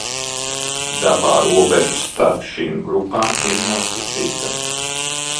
Dabā robeža starp šīm grupām ir nosacīta.